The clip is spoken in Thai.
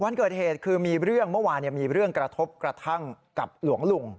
วันเกิดเหตุคือมีเรื่องเมื่อวานมีเรื่องกระทบกระทั่งกับหลวงลุง